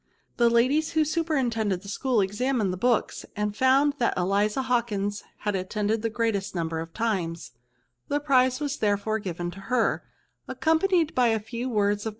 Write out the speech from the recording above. The ladies who superintended the school examined the books, and found that Eliza Hawkins had attended the greatest number of times; the prize was therefore given, to her, accompanied by a few words of